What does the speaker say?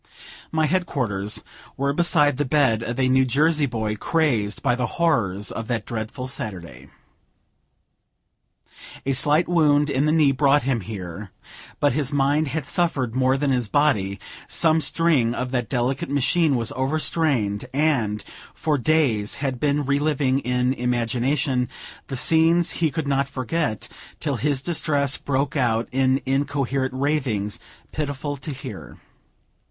My headquarters were beside the bed of a New Jersey boy, crazed by the horrors of that dreadful Saturday. A slight wound in the knee brought him there; but his mind had suffered more than his body; some string of that delicate machine was over strained, and, for days, he had been reliving, in imagination, the scenes he could not forget, till his distress broke out in incoherent ravings, pitiful to hear.